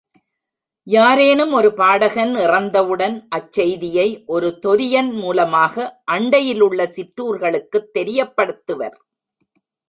யாரேனும் ஒரு படகன் இறந்தவுடன் அச்செய்தியை ஒரு தொரியன் மூலமாக அண்டையிலுள்ள சிற்றூர்களுக்குத் தெரியப்படுத்துவர்.